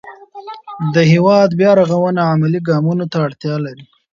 د هېواد بیا رغونه عملي ګامونو ته اړتیا لري.